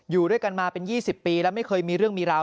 อยู่ด้วยกันมาเป็น๒๐ปีแล้วไม่เคยมีเรื่องมีราว